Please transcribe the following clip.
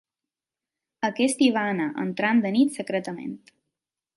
Aquest hi va anar, entrant de nit secretament.